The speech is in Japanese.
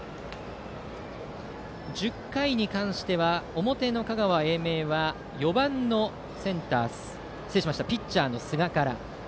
１０回に関しては表の香川・英明は４番のピッチャーの寿賀から。